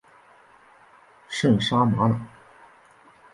圣沙马朗。